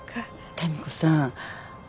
民子さん。